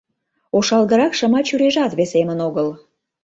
Ошалгырак шыма чурийжат весемын огыл.